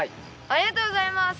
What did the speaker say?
ありがとうございます。